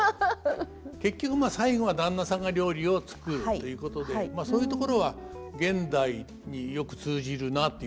結局最後は旦那さんが料理を作るということでそういうところは現代によく通じるなというふうに思いますね。